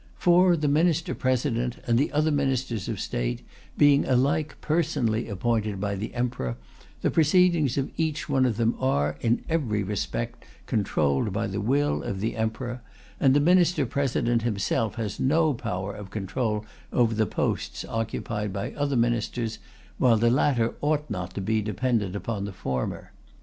For, the Minister President and the other Ministers of State, being alike personally appointed by the Emperor, the proceedings of each one of them are, in every respect, controlled by the will of the Emperor, and the Minister President himself has no power of control over the posts occupied by other Ministers, while the latter ought not to be dependent upon the former.